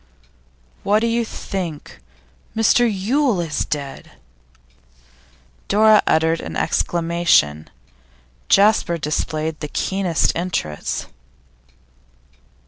'What do you think? Mr Yule is dead!' Dora uttered an exclamation; Jasper displayed the keenest interest.